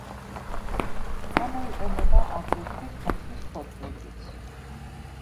გამოიყენება აგრეთვე ქაცვის ფოთლებიც.